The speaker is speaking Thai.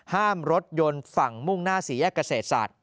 ห้ามรถยนต์ฝั่งมุ่งหน้าสี่แยกเกษตรศาสตร์